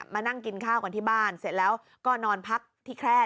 มานั่งกินข้าวกันที่บ้านเสร็จแล้วก็นอนพักที่แคร่